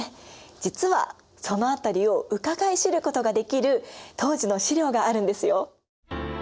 実はその辺りをうかがい知ることができる当時の資料があるんですよ。